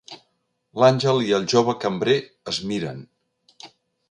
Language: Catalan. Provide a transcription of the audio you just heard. L'Àngel i el jove cambrer es miren.